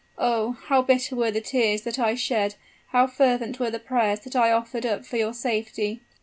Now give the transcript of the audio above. Oh! how bitter were the tears that I shed, how fervent were the prayers that I offered up for your safety."